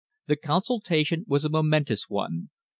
The consultation was a momentous one.